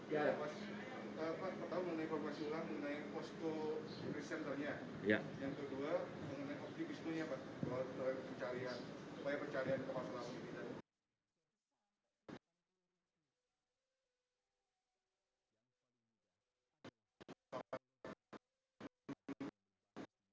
yang kedua mengenai objek bisnunya pak